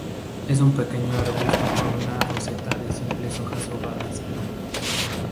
Es un pequeño arbusto con una roseta de simples hojas ovadas.